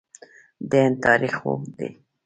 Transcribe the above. د هند تاریخ اوږد دی.